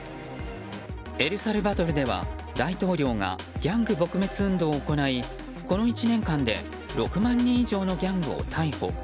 エルサルバドルでは、大統領がギャング撲滅運動を行いこの１年間で６万人以上のギャングを逮捕。